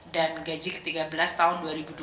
gaji ke tiga belas tahun dua ribu dua puluh